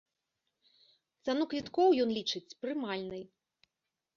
Цану квіткоў ён лічыць прымальнай.